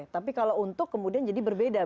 tapi kalau untuk kemudian jadi berbeda